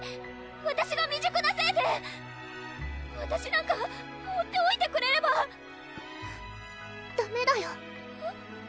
わたしが未熟なせいでわたしなんか放っておいてくれればダメだよはっ？